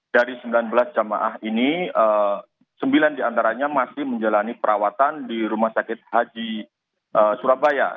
dari sembilan belas jamaah ini sembilan diantaranya masih menjalani perawatan di rumah sakit haji surabaya